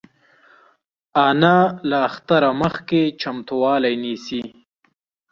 انا له اختره مخکې چمتووالی نیسي